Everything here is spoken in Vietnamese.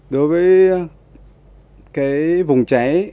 đối với vùng cháy